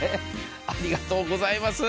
ありがとうございます。